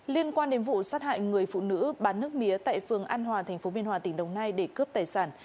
liên quan đến vụ sát hại người phụ nữ bán nước mía tại phường an hòa tp biên hòa tỉnh đồng nai để cướp tài sản